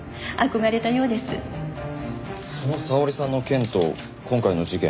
その沙織さんの件と今回の事件